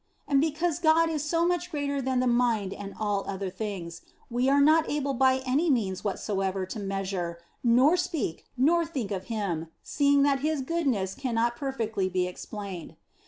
And because God is so much greater than the mind and all other things, we are not able by any means whatsoever to measure, nor speak, nor think of Him, see ing that His goodness cannot perfectly be explained.